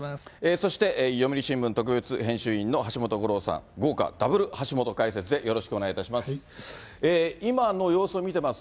そして読売新聞特別編集委員の橋本五郎さん、豪華ダブルはしもと解説でよろしくお願いいたします。